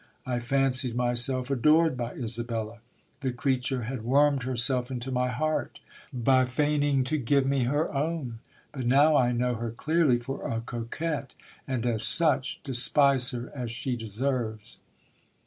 I fancied myself adored by Isabella. The creature had wormed her self into my heart by feigning to give me her own. But now I know her clearly for a coquette, and as such despise her as she deserves.